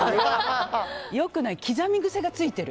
よくない刻み癖がついてる。